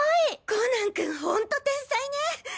コナン君ホント天才ね！